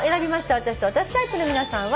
私と私タイプの皆さんは。